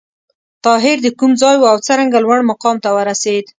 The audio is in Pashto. طاهر د کوم ځای و او څرنګه لوړ مقام ته ورسېد؟